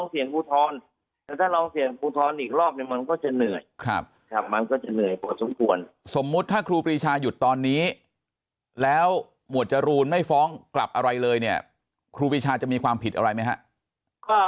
เพราะเพราะสมมุติถ้าครูปีชายุทธ์ตอนนี้แล้วว่าจะวูลไม่ฟ้องกลับอะไรเลยเนี่ยครูปีชายุทธ์มีความผิดอะไรไหมครับ